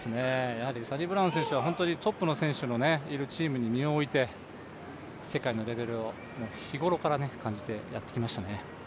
サニブラウン選手はトップの選手のいるチームに身を置いて世界のレベルを日頃から感じてやってきましたんでね。